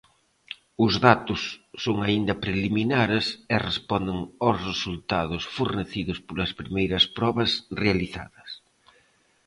Os datos son aínda preliminares e responden aos resultados fornecidos polas primeiras probas realizadas.